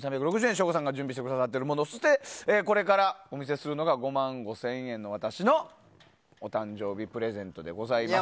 省吾さんが準備してくださってるものそして、これからお見せするのが５万５０００円の、私のお誕生日プレゼントでございます。